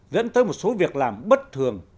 dẫn tới một số việc làm bất thường